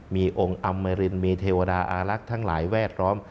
มีองค์อำมรินมีเทวดาอารักษ์ทั้งหลายแวดล้อม